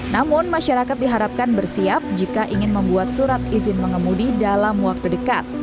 namun masyarakat diharapkan bersiap jika ingin membuat surat izin mengemudi dalam waktu dekat